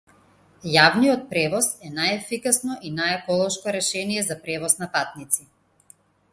Јавниот превоз е најефикасно и најеколошко решение за превоз на патници.